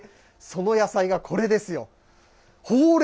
その野菜がこれですよ。